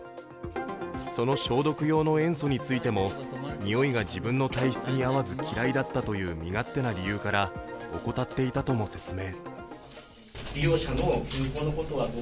その消毒用の塩素についてもにおいが自分の体質に合わず嫌いだったという身勝手な理由から怠っていたとも説明。